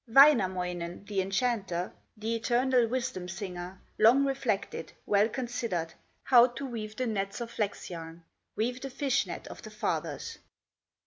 Wainamoinen, the enchanter, The eternal wisdom singer, Long reflected, well considered, How to weave the net of flax yarn, Weave the fish net of the fathers.